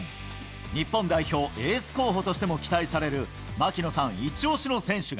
日本代表、エース候補としても期待される槙野さんイチオシの選手が。